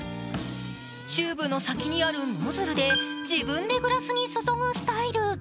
チューブの先にあるノズルで自分でグラスに注ぐスタイル。